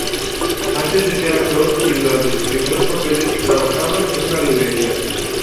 Antes de ser actor, y durante sus primeros papeles, trabajaba en una librería.